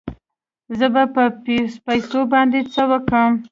زه به په پيسو باندې څه وکم.